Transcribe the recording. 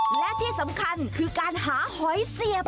และที่สำคัญคือการหาหอยเสียบ